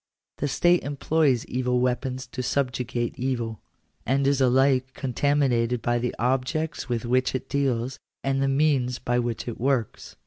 The state employs evil weapons to subjugate evil, and is alike contaminated by the objects with which it deals, and the means by which it works.